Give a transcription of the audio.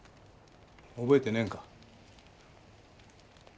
覚えてねえんか。